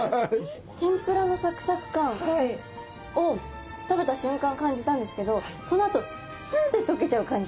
天ぷらのサクサク感を食べた瞬間感じたんですけどそのあとスンッて溶けちゃう感じ。